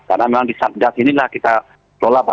karena memang di satgas inilah kita tolak pak